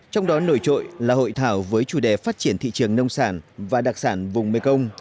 trong đó nổi trội là hội thảo với chủ đề phát triển thị trường nông sản và đặc sản vùng mekong